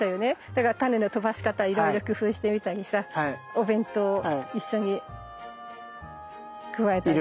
だからタネの飛ばし方いろいろ工夫してみたりさお弁当一緒に加えたりとかね。